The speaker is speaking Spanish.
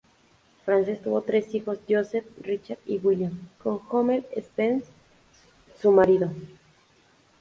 Frances tuvo tres hijos Joseph, Richard y William con Homer Spence, su marido.